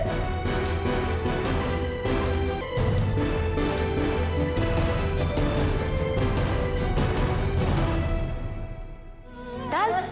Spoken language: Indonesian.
semua orang adalah shtp